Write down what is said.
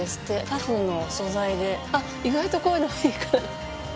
パフの素材であっ意外とこういうのいいかな。